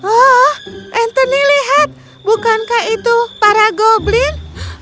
oh anthony lihat bukankah itu para goblin